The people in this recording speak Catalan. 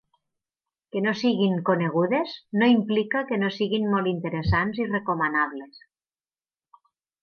Que no siguin conegudes no implica que no siguin molt interessants i recomanables.